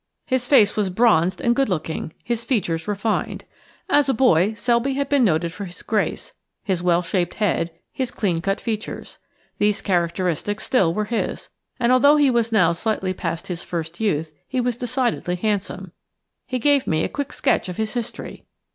His face was bronzed and good looking, his features refined. As a boy Selby had been noted for his grace, his well shaped head, his clean cut features; these characteristics still were his, and although he was now slightly past his first youth he was decidedly handsome. He gave me a quick sketch of his history.